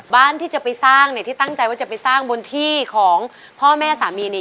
บ้านที่จะไปสร้างเนี่ยที่ตั้งใจว่าจะไปสร้างบนที่ของพ่อแม่สามีเนี่ย